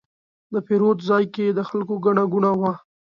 د پیرود ځای کې د خلکو ګڼه ګوڼه وه.